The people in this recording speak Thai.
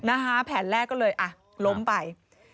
นะฮะแผนแรกก็เลยอ่ะล้มไป